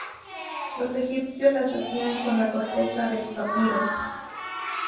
Los egipcios las hacían con la corteza del papiro.